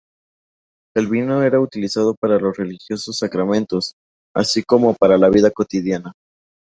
El vino era utilizado para los religiosos sacramentos, así como para la vida cotidiana.